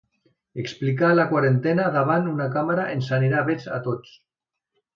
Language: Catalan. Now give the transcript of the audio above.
Explicar la quarantena davant una càmera ens aniria bé a tots.